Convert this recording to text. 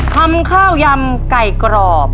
ข้าวยำไก่กรอบ